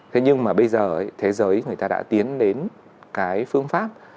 thế nhưng mà bây giờ thế giới người ta đã tiến đến cái phương pháp